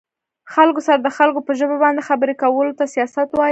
خلکو سره د خلکو په ژبه باندې خبرې کولو ته سياست وايه